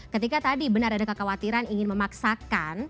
ketika tadi benar ada kekhawatiran ingin memaksakan